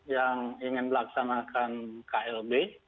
yang ingin melaksanakan ksri